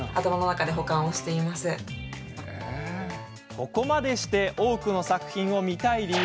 ここまでして多くの作品を見たい理由。